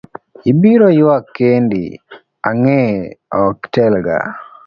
Ibiro yuak kendi, ang'e ok tel ga.